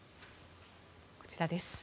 こちらです。